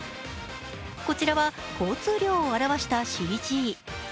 こちらは交通量を表したＣＧ。